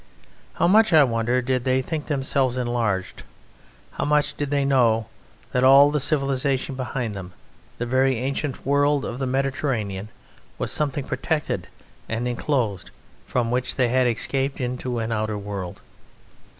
How much, I wonder, did they think themselves enlarged? How much did they know that all the civilization behind them, the very ancient world of the Mediterranean, was something protected and enclosed from which they had escaped into an outer world?